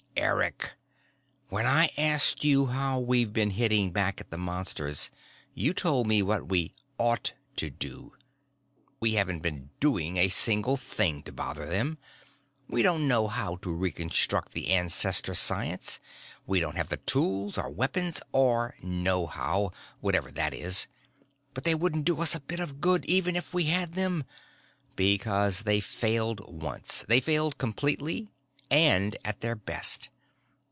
"Eric. When I asked you how we've been hitting back at the Monsters, you told me what we ought to do. We haven't been doing a single thing to bother them. We don't know how to reconstruct the Ancestor science, we don't have the tools or weapons or knowhow whatever that is but they wouldn't do us a bit of good even if we had them. Because they failed once. They failed completely and at their best.